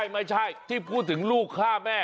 ไม่ใช่ที่พูดถึงลูกฆ่าแม่